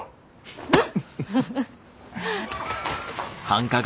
うん！